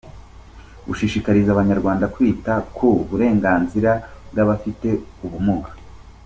c. Gushishikariza abanyarwanda kwita ku burenganzira bw’Abafite ubumuga.